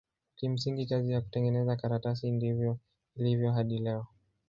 Kimsingi kazi ya kutengeneza karatasi ndivyo ilivyo hadi leo.